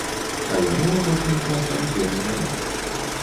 А яму апошнім часам веры няма.